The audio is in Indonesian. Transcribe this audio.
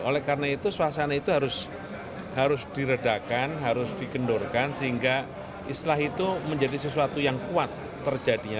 oleh karena itu suasana itu harus diredakan harus dikendurkan sehingga istilah itu menjadi sesuatu yang kuat terjadinya